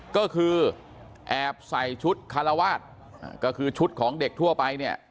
ก็คือแอบใส่ชุดคารวาสก็คือชุดของเด็กทั่วไปเนี่ย